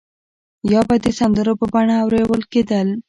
یا به د سندرو په بڼه اورول کېدل.